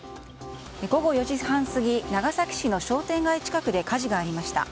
午後４時半過ぎ長崎市の商店街近くで火事がありました。